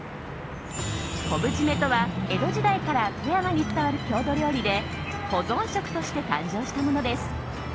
昆布締めとは、江戸時代から富山に伝わる郷土料理で保存食として誕生したものです。